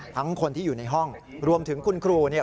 คนที่อยู่ในห้องรวมถึงคุณครูเนี่ย